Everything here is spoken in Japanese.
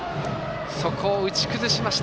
そこを打ち崩しました